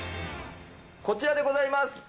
こちらでございます。